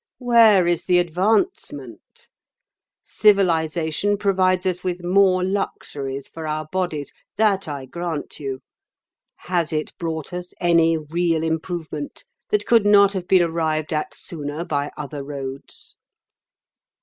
Where is the advancement? Civilisation provides us with more luxuries for our bodies. That I grant you. Has it brought us any real improvement that could not have been arrived at sooner by other roads?"